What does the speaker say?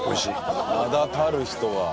「名だたる人が」